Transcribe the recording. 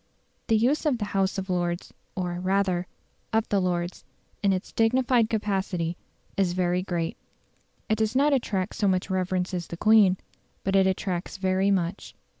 The use of the House of Lords or, rather, of the Lords, in its dignified capacity is very great. It does not attract so much reverence as the Queen, but it attracts very much.